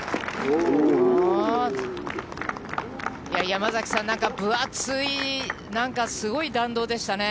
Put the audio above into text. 山崎さん、なんか分厚い、なんかすごい弾道でしたね。